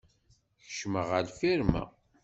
Keccmeɣ ɣer lfirma.